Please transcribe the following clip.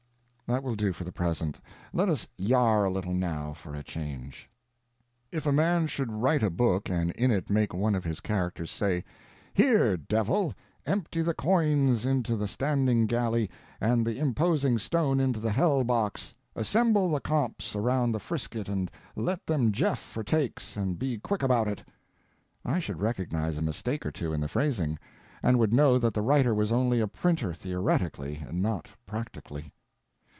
That will do, for the present; let us yare a little, now, for a change. If a man should write a book and in it make one of his characters say, "Here, devil, empty the quoins into the standing galley and the imposing stone into the hell box; assemble the comps around the frisket and let them jeff for takes and be quick about it," I should recognize a mistake or two in the phrasing, and would know that the writer was only a printer theoretically, not practically.